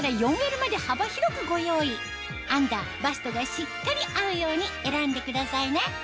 サイズもアンダーバストがしっかり合うように選んでくださいね